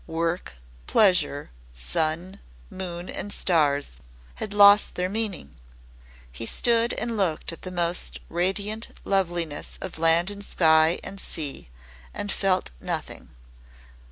Work, pleasure, sun, moon, and stars had lost their meaning. He stood and looked at the most radiant loveliness of land and sky and sea and felt nothing.